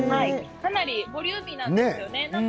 かなりボリューミーなんですよね。